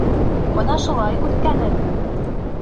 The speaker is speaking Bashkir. Бына шулай, үҫкәнем!